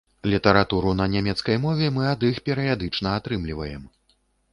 Літаратуру на нямецкай мове мы ад іх перыядычна атрымліваем.